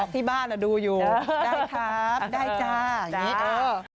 ที่บ้านดูอยู่ได้ครับได้จ้าอย่างนี้เออ